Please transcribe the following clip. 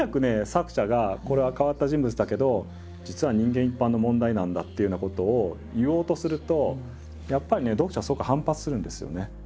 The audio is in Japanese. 作者が「これは変わった人物だけど実は人間一般の問題なんだ」っていうようなことを言おうとするとやっぱりね読者はすごく反発するんですよね。